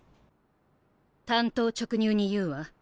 単刀直入に言うわ。